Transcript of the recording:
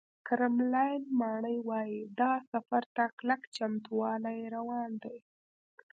کرملین ماڼۍ وایي، دغه سفر ته کلک چمتووالی روان دی